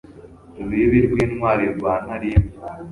Rubibi rwintwali rwa Ntalindwa